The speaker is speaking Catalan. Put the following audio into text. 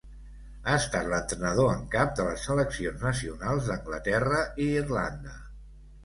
Ha estan l'entrenador en cap de les seleccions nacionals d'Anglaterra i Irlanda.